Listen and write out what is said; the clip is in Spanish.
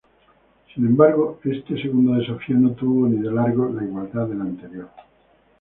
Sin embargo este segundo desafío no tuvo ni de largo la igualdad del anterior.